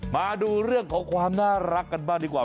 มาดูเรื่องของความน่ารักกันบ้างดีกว่า